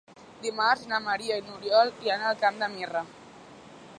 Dimarts na Maria i n'Oriol iran al Camp de Mirra.